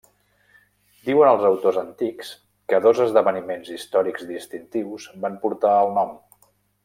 Diuen els autors antics que dos esdeveniments històrics distintius van portar al nom.